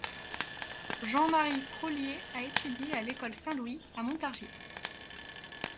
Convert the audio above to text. Jean-Marie Proslier a étudié à l'école Saint-Louis, à Montargis.